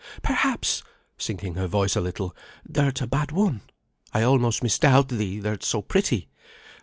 Perhaps" (sinking her voice a little) "thou'rt a bad one; I almost misdoubt thee, thou'rt so pretty.